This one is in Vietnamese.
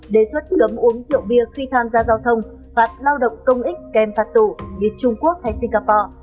đề xuất cấm uống rượu bia khi tham gia giao thông phạt lao động công ích kèm phạt tù như trung quốc hay singapore